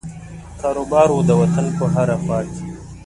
کاروبار وو د وطن په هره خوا کې.